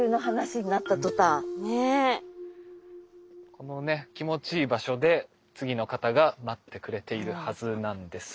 このね気持ちいい場所で次の方が待ってくれているはずなんです。